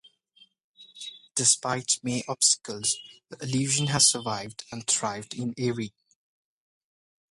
Despite may obstacles, the Illusion has survived and thrived in Erie.